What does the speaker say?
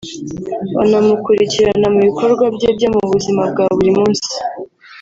banamukurikirana mu bikorwa bye byo mu buzima bwa buri munsi